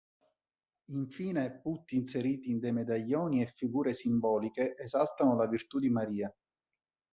Infine, putti inseriti in dei medaglioni e figure simboliche esaltano le "Virtù" di Maria.